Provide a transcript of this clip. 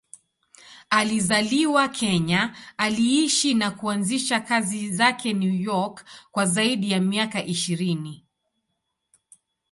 Alizaliwa Kenya, aliishi na kuanzisha kazi zake New York kwa zaidi ya miaka ishirini.